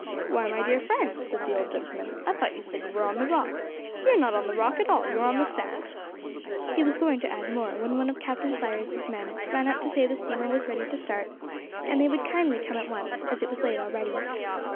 'Why, my dear friend,' said the old gentleman, 'I thought you said you were on the Rock. You're not on the Rock at all, you're on the sand!' He was going to add more, when one of Captain Sayer's men ran up to say the steamer was ready to start, and would they kindly come at once, as it was late already.